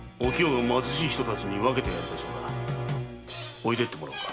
置いていってもらおうか。